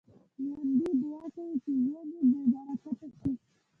ژوندي دعا کوي چې ژوند يې بابرکته شي